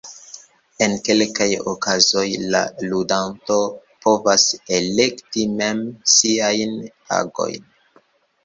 En kelkaj okazoj la ludanto povas elekti mem siajn agojn.